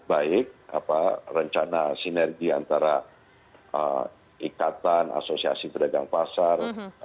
baik rencana sinergi antara ikatan asosiasi pedagang pasar